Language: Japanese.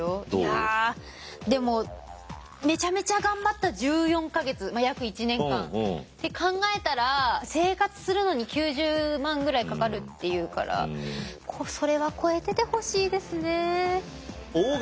いやでもめちゃめちゃ頑張った１４か月約１年間って考えたら生活するのに９０万ぐらいかかるっていうからそれは超えててほしいですね。